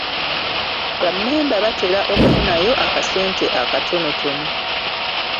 Bammemba batera okufunayo akasente akatonotono.